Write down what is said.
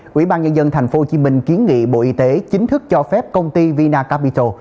quỹ ban nhân dân tp hcm kiến nghị bộ y tế chính thức cho phép công ty vinacapital